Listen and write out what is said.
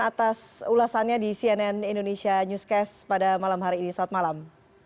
atas ulasannya di cnn indonesia newscast pada malam hari ini selamat malam